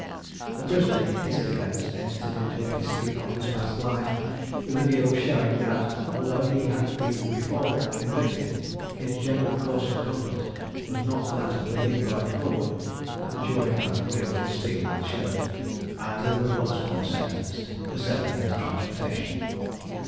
The prisoner, in his defence, entered into a history of his past life with a view of showing, that although he had been before convicted, his general course of conduct was not that of living by fraud; but the jury found him guilty of stealing the shirt, and he was once more sentenced to seven years' transportation.